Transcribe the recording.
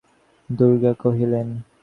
তিনি চোখ বুজিয়া মনে মনে দুর্গা দুর্গা কহিলেন।